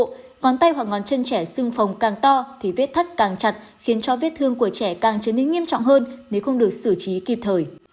ngón tay hoặc ngón chân trẻ xưng phồng càng to thì vết thắt càng chặt khiến cho vết thương của trẻ càng trở nên nghiêm trọng hơn nếu không được xử lý kịp thời